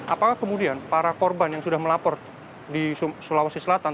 apakah kemudian para korban yang sudah melapor di sulawesi selatan